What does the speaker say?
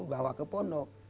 bawa ke ponok